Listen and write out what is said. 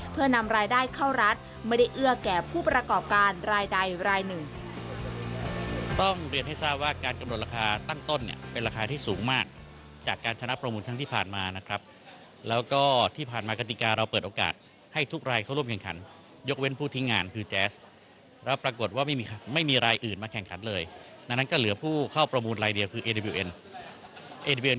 เพื่อนำรายได้เข้ารัฐไม่ได้เอื้อแก่ผู้ประกอบการรายใดรายหนึ่ง